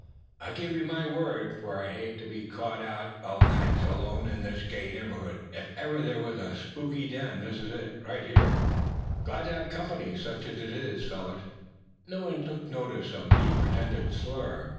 "I give you my word for it I'd hate to be caught out nights alone in this gay neighborhood. If ever there was a spooky den, this is it, right here. Glad to have company; such as it is, fellers." No one took any notice of the pretended slur.